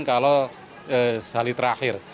kalau hari terakhir